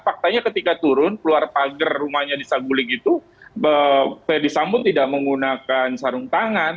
faktanya ketika turun keluar pagar rumahnya di saguling itu ferdis sambo tidak menggunakan sarung tangan